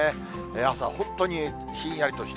朝、本当にひんやりとした。